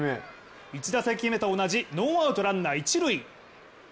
１打席目と同じ、ノーアウトランナー、一塁。